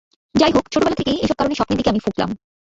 যাই হোক, ছোটবেলা থেকেই এইসব কারণে স্বপ্নের দিকে আমি ফুকলাম।